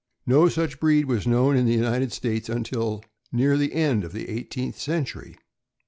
No such breed was known in the United States until near the end of the eighteenth century.